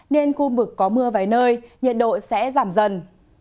nên khu vực có mưa vài nơi nhiệt độ sẽ giảm dần